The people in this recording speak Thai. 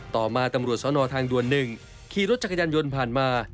ต่อมาตำรวจสนทางด่วน๑ขี่รถจักรยานยนต์ผ่านมา